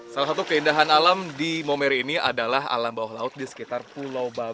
salah satu keindahan alam di momeri ini adalah alam bawah laut di sekitar pulau babang